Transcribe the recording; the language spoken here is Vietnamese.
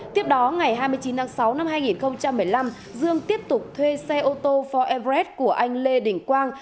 tiếp đó ngày hai mươi chín tháng sáu năm hai nghìn một mươi năm dương tiếp tục thuê xe ô tô for airbrad của anh lê đình quang